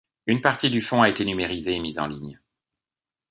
Une partie du fonds a été numérisée et mise en ligne.